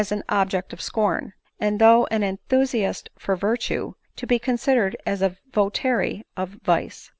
an object of scorn, and though an enthusiast for virtue, to be considered as a votary of vice.